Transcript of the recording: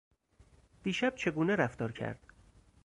دیشب چگونه رفتار کرد؟